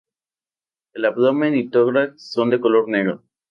El abdomen y tórax son de color negro.